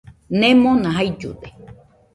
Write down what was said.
Nemona jaillude.